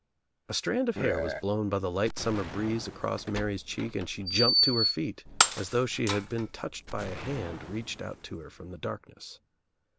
A strand of hair was blown by the light summer breeze across Mary's cheek and she jumped to her feet as though she had been touched by a hand reached out to her from the darkness.